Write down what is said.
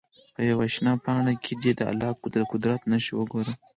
په یوه شنه پاڼه کې دې د الله د قدرت نښې وګوري.